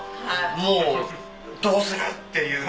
もうどうする？っていう。